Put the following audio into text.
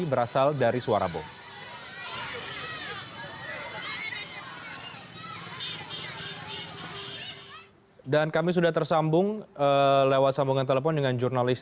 berasal dari suara polis